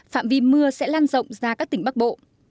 phạm vi mưa sẽ lan rộng ra các tỉnh bắc bộ